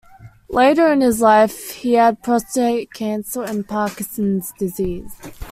Later in his life, he had prostate cancer and Parkinson's disease.